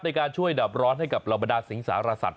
ในการช่วยดับร้อนให้กับเหล่าบรรดาสิงสารสัตว